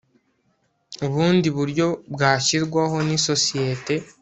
ubundi buryo bwashyirwaho n'isosiyete